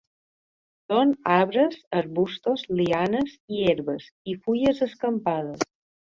Són arbres, arbustos, lianes i herbes. I fulles escampades.